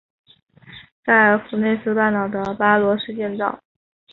在弗内斯半岛的巴罗市建造。